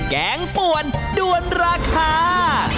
แกงป่วนด้วนราคา